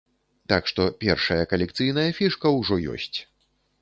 Так што першая калекцыйная фішка ўжо ёсць.